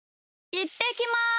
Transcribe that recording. いってきます！